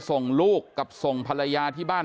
ส่งลูกกับส่งภรรยาที่บ้าน